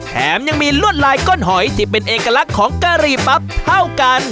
แถมยังมีลวดลายก้นหอยที่เป็นเอกลักษณ์ของกะหรี่ปั๊บเท่ากัน